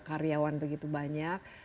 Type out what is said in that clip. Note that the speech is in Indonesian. karyawan begitu banyak